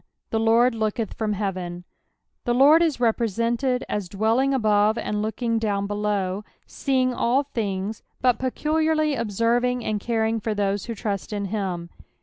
The Lord looketh from heateny The Lord ia represented as dwelling above knd looking down below ; sceiDZ^ll things, but peculiarly observing ana coring for those who trust in him.